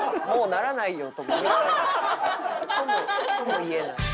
ともとも言えない。